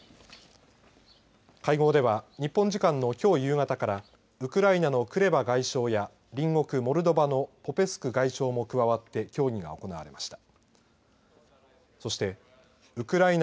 会合では日本時間のきょう夕方からウクライナのクレバ外相や隣国モルドバのポペスク外相も加わって協議が行われました。